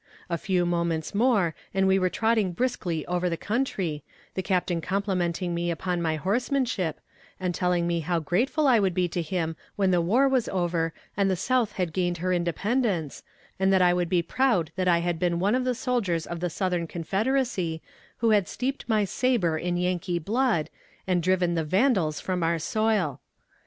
A few moments more and we were trotting briskly over the country, the captain complimenting me upon my horsemanship, and telling me how grateful I would be to him when the war was over and the South had gained her independence, and that I would be proud that I had been one of the soldiers of the Southern confederacy, who had steeped my saber in Yankee blood, and driven the vandals from our soil.